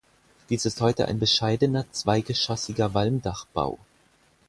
Dies ist heute ein bescheidener zweigeschossiger Walmdachbau.